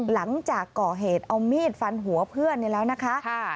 หลังจากก่อเหตุเอามีดฟันหัวเพื่อนเนี่ยแล้วนะคะ